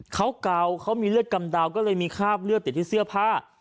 เขาเก่าเขามีเลือดกำดาวก็เลยมีคราบเลือดติดที่เสื้อผ้า